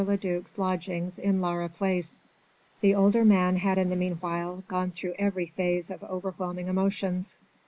le duc's lodgings in Laura Place. The older man had in the meanwhile gone through every phase of overwhelming emotions.